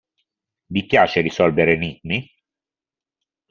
Vi piace risolvere enigmi?